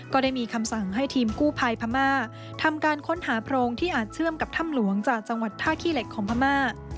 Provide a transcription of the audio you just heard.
ก็ได้มีคำสั่งให้ทีมกู้ภัยพม่าทำการค้นหาโพรงที่อาจเชื่อมกับถ้ำหลวงจากจังหวัดท่าขี้เหล็กของพม่า